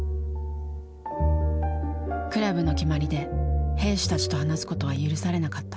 クラブの決まりで兵士たちと話すことは許されなかった。